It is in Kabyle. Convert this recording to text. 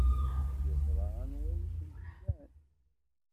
Yeẓra anwa ay tent-ilan.